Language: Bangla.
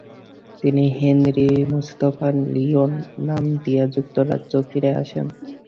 তিনি হেনরি মুস্তাফা লিওন নাম নিয়ে যুক্তরাজ্যে ফিরে আসেন।